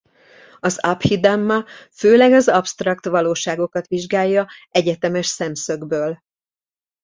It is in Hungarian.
Az Abhidhamma főleg az absztrakt valóságokat vizsgálja egyetemes szemszögből.